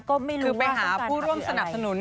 ก็คือไปหาผู้ร่วมสนับสนุน